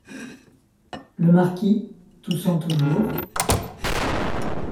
Le Marquis , toussant toujours.